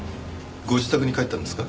ご自宅に帰ったんですか？